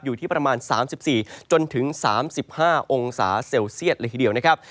อยู่ที่ประมาณสามสิบสี่จนถึงสามสิบห้าองศาเซลเซียตเลยทีเดียวนะครับ